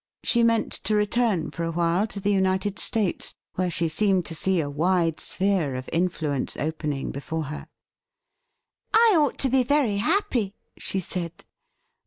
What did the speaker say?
She meant to return for awhile to the United States, where she seemed to see a wide sphere of influence opening befor her. ' I ought to be very happy,' she said.